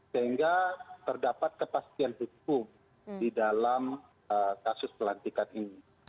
sehingga terdapat kepastian hukum di dalam kasus pelantikan ini